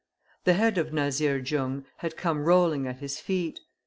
The head of Nazir Jung had come rolling at his feet.